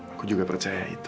aku juga percaya itu